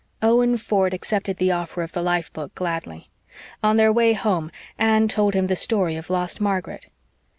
Owen Ford accepted the offer of the life book gladly. On their way home Anne told him the story of lost Margaret.